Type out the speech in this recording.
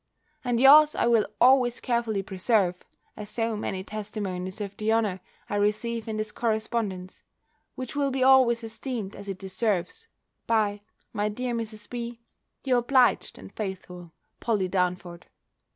And yours I will always carefully preserve, as so many testimonies of the honour I receive in this correspondence: which will be always esteemed as it deserves, by, my dear Mrs. B., your obliged and faithful POLLY DARNFORD.